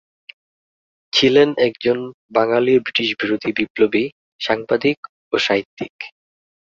ছিলেন একজন বাঙালি ব্রিটিশবিরোধী বিপ্লবী, সাংবাদিক ও সাহিত্যিক।